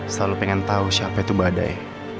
selalu pengen tahu siapa itu badai